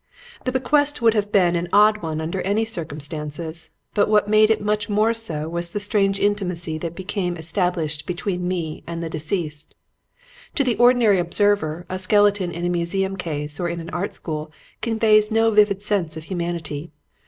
The bequest would have been an odd one under any circumstances, but what made it much more so was the strange intimacy that became established between me and the deceased. To the ordinary observer a skeleton in a museum case or in an art school conveys no vivid sense of humanity.